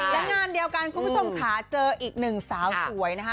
และงานเดียวกันคุณผู้ชมค่ะเจออีกหนึ่งสาวสวยนะคะ